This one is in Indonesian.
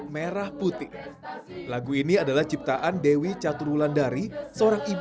merah putih lagu ini adalah ciptaan dewi catur wulandari seorang ibu dan seorang anak yang